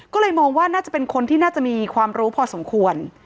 ก็เลยมองว่าน่าจะเป็นคนที่น่าจะมีความรู้พอสมควร